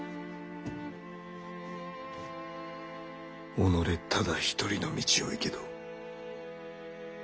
己ただ一人の道を行けと？